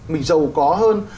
mình giàu có hơn